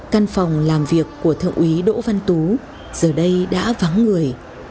căn phòng làm việc của thượng úy đỗ văn tú giờ đây đã vắng người